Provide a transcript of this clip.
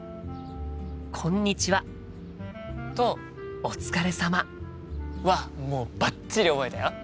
「こんにちは」と「お疲れ様」はもうバッチリ覚えたよ。